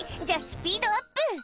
「じゃあスピードアップ！